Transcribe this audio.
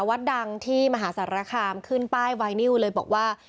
วัดดังที่มหาสารคามขึ้นป้ายไวนิวเลยบอกว่า